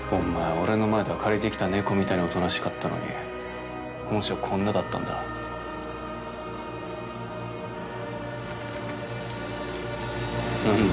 俺の前では借りてきた猫みたいにおとなしかったのに本性こんなだったんだなんだ？